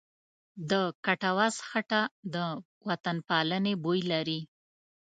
د کټواز خټه د وطنپالنې بوی لري.